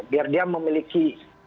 biar dia memiliki